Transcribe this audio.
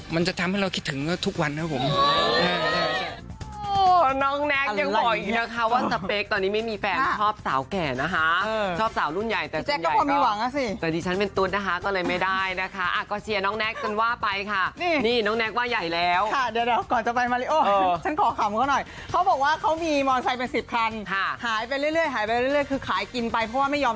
มันจะทำให้เราคิดถึง